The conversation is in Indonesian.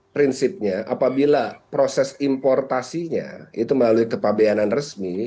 prinsipnya apabila proses importasinya itu melalui kepabeanan resmi